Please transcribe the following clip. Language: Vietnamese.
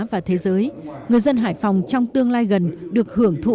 và thế giới người dân hải phòng trong tương lai gần được hưởng thụ